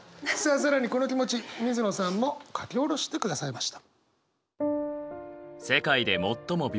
更にこの気持ち水野さんも書き下ろしてくださいました。